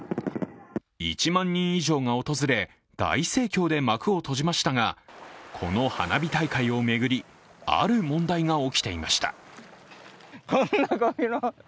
１万人以上が訪れ、大盛況で幕を閉じましたがこの花火大会を巡り、ある問題が起きていました。